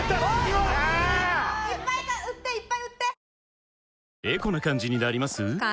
いっぱい売っていっぱい売って！